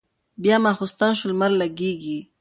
بيا ماخستن شو لمر لګېږي